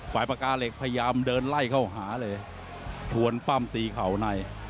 ปากกาเหล็กพยายามเดินไล่เข้าหาเลยทวนปั้มตีเข่าใน